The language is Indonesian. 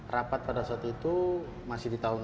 rapat pada saat itu masih diberikan